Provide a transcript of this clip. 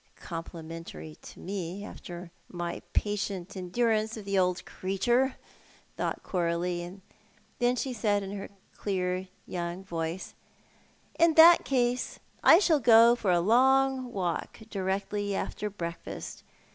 " Complimentary to me, after my patient endurance of the old creature," thought Coralie, and then she said in her clear young voice — "In that case, I shall go for a long walk directly after break fast.